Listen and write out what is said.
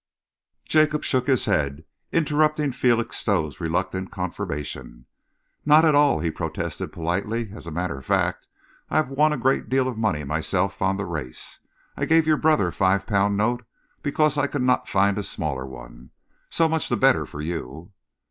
Jacob shook his head, interrupting Felixstowe's reluctant confirmation. "Not at all," he protested politely. "As a matter of fact, I have won a great deal of money myself on the race. I gave your brother a five pound note because I could not find a smaller one. So much the better for you."